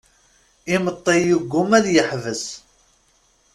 Imeṭṭi yegguma ad yeḥbes.